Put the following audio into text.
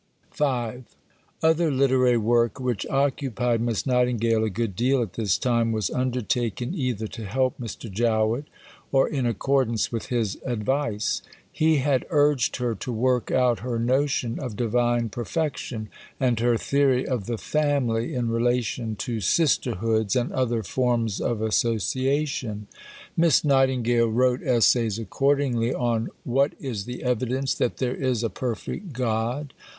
V Other literary work which occupied Miss Nightingale a good deal at this time was undertaken either to help Mr. Jowett or in accordance with his advice. He had urged her to work out her notion of Divine Perfection, and her theory of the Family in relation to "sisterhoods" and other forms of association. Miss Nightingale wrote Essays accordingly on "What is the Evidence that there is a Perfect God?"